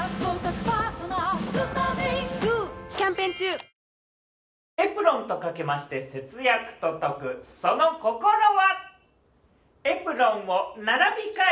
本麒麟エプロンと掛けまして節約と解くその心は。